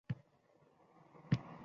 Rangli tushlar ajib hislar uyg‘otadi